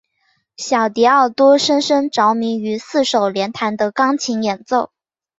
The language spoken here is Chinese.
小狄奥多深深着迷于四手联弹的钢琴演奏。